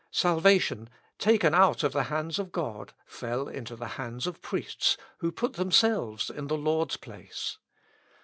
Salvation, taken out of the hands of God, fell into the hands of priests, who put themselves in the Lord's place.